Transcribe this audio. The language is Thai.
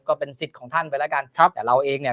ก็เป็นสิทธิ์ของท่านไปแล้วกันครับแต่เราเองเนี่ย